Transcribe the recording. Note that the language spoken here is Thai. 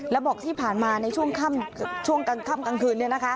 แล้วบอกที่ผ่านมาในช่วงกลางค่ำกลางคืน